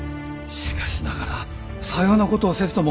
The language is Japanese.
しかしながらさようなことをせずとも。